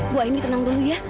buah ini tenang dulu ya